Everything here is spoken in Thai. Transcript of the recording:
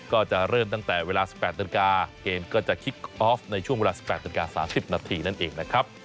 ก็จะเริ่มตั้งแต่เวลา๑๘นาฬิกาเกมก็จะคิกออฟในช่วงเวลา๑๘นาฬิกา๓๐นาทีนั่นเองนะครับ